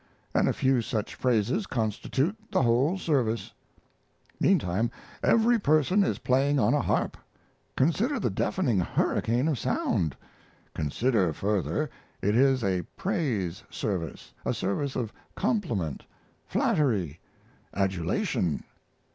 and a few such phrases constitute the whole service. Meantime, every person is playing on a harp! Consider the deafening hurricane of sound. Consider, further, it is a praise service a service of compliment, flattery, adulation.